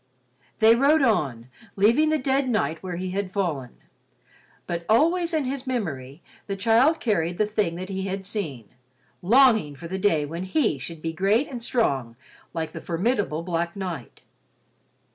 They rode on, leaving the dead knight where he had fallen, but always in his memory the child carried the thing that he had seen, longing for the day when he should be great and strong like the formidable black knight.